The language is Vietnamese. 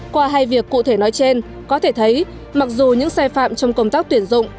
qua hai việc cụ thể nói trên có thể thấy mặc dù những sai phạm trong công tác tuyển dụng